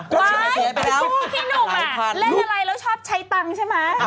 ลูกพี่หนุ่มเล่นอะไรแล้วชอบใช้ตังค์ใช่ไหม